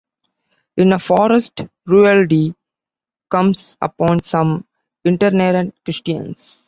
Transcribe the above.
In a forest, Rual'd comes upon some itinerant Christians.